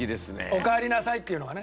「おかえりなさい」っていうのがね。